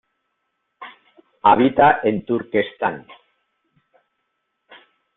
Habita en Turquestán.